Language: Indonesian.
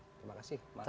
terima kasih mas arya